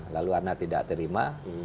lalu anak tidak terima